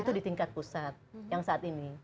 itu di tingkat pusat yang saat ini